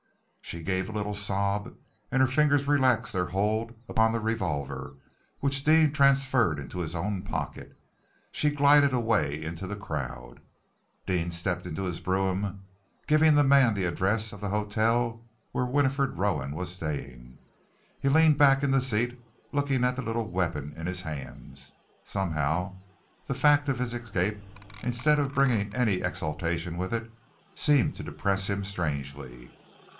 She gave a little sob, and her fingers relaxed their hold upon the revolver, which Deane transferred into his own pocket. She glided away into the crowd. Deane stepped into his brougham, giving the man the address of the hotel where Winifred Rowan was staying. He leaned back in the seat, looking at the little weapon in his hands. Somehow, the fact of his escape, instead of bringing any exultation with it, seemed to depress him strangely.